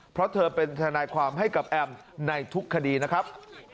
เพราะเธอเป็นทนายความให้กับแอมในทุกคดีนะครับ